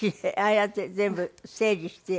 ああやって全部整理して。